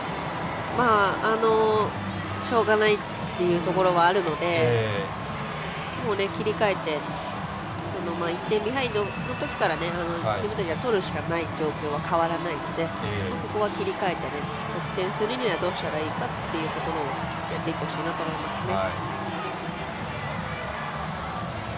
しょうがないっていうところはあるのでもう切り替えて、このまま１点ビハインドのときから点を取る状況から変わらないのでここは切り替えて得点するにはどうしたらいいかっていうところをやっていってほしいなと思いますね。